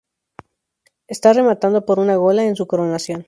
Está rematado por una "gola" en su coronación.